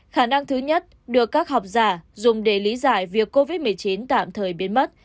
khả năng thứ nhất được các học giả dùng để lý giải việc covid một mươi chín tạm thời biến mất